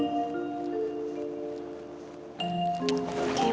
baring gue banget sendirian